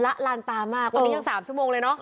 ละลานตามากวันนี้ยัง๓ชั่วโมงเลยเนอะ